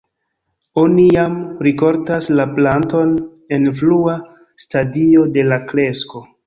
Oni jam rikoltas la planton en frua stadio de la kresko.